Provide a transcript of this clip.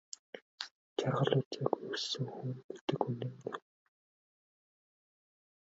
Жаргал үзээгүй өссөн хүн гэдэг үнэн юм.